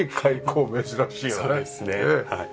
そうですねはい。